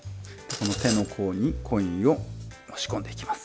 この手の甲にコインを押し込んでいきます。